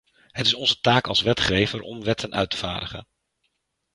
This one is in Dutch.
Het is onze taak als wetgever om wetten uit te vaardigen.